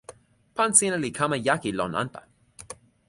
pan sina li kama jaki lon anpa.